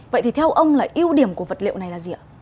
vậy thì theo ông là ưu điểm của vật liệu này là gì ạ